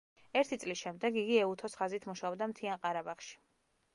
ერთი წლის შემდეგ იგი ეუთოს ხაზით მუშაობდა მთიან ყარაბაღში.